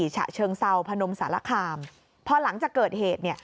ฉะเชิงเซาพนมสารคามพอหลังจากเกิดเหตุ